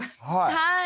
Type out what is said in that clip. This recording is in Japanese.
はい。